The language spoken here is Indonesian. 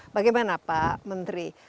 bagaimana pak menteri